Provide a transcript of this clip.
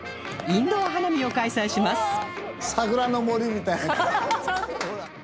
インドア花見を開催します